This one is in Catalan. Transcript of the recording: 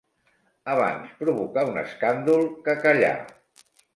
Abans provocar un escàndol que callar.